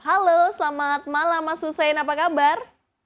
halo selamat malam mas hussein apa kabar